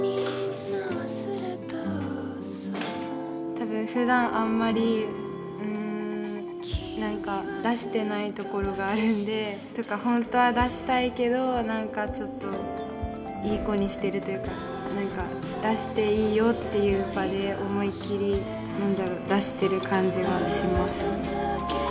多分ふだんあんまりうん何か出してないところがあるんでというか本当は出したいけど何かちょっといい子にしてるというか何か出していいよっていう場で思いっきり出してる感じはします。